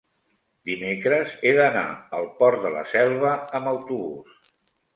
dimecres he d'anar al Port de la Selva amb autobús.